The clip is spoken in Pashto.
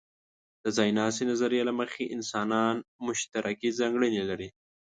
د ځایناستې نظریې له مخې، انسانان مشترکې ځانګړنې لري.